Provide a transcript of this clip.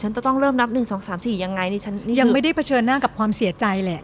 ฉันจะต้องเริ่มนับหนึ่งสองสามสี่ยังไงนี่ฉันยังไม่ได้เผชิญหน้ากับความเสียใจแหละ